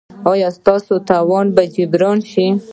ایا ستاسو تاوان به جبران شي؟